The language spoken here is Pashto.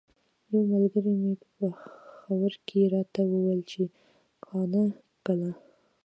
یوه ملګري مې په پیښور کې راته ویل چې قانه ګله.